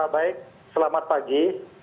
baik selamat pagi